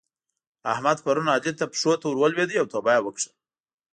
احمد پرون علي ته پښو ته ور ولېد او توبه يې وکښه.